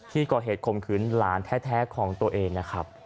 ก่อเหตุข่มขืนหลานแท้ของตัวเองนะครับ